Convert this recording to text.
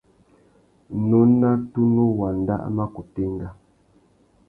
Nôna tunu wanda a mà kutu enga.